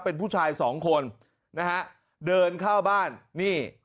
เป็นผู้ชายสองคนนะฮะเดินเข้าบ้านนี่